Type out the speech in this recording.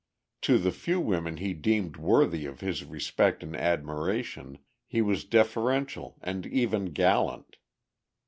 To the few women he deemed worthy of his respect and admiration, he was deferential and even gallant.